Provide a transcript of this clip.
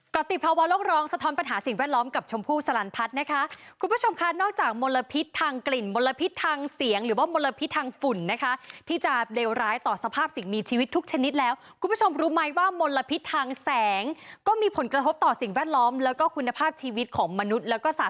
ก็ติดภาวะโลกร้องสะท้อนปัญหาสิ่งแวดล้อมกับชมพู่สลันพัฒน์นะคะคุณผู้ชมค่ะนอกจากมลพิษทางกลิ่นมลพิษทางเสียงหรือว่ามลพิษทางฝุ่นนะคะที่จะเลวร้ายต่อสภาพสิ่งมีชีวิตทุกชนิดแล้วคุณผู้ชมรู้ไหมว่ามลพิษทางแสงก็มีผลกระทบต่อสิ่งแวดล้อมแล้วก็คุณภาพชีวิตของมนุษย์แล้วก็สา